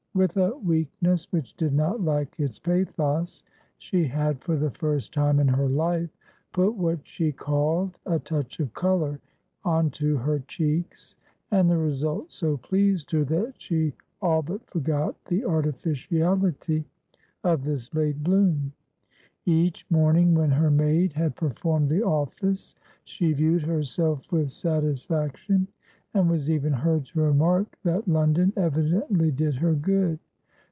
With a weakness which did not lack its pathos, she had, for the first time in her life, put what she called "a touch of colour" onto her cheeks, and the result so pleased her that she all but forgot the artificiality of this late bloom; each morning, when her maid had performed the office, she viewed herself with satisfaction, and was even heard to remark that London evidently did her good.